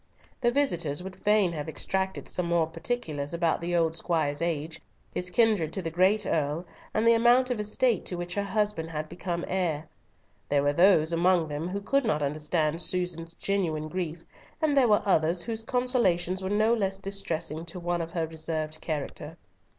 The visitors would fain have extracted some more particulars about the old squire's age, his kindred to the great Earl, and the amount of estate to which her husband had become heir. There were those among them who could not understand Susan's genuine grief, and there were others whose consolations were no less distressing to one of her reserved character.